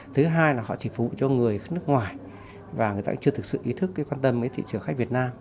thứ hai là họ chỉ phụ cho người nước ngoài và người ta chưa thực sự ý thức quan tâm với thị trường khách việt nam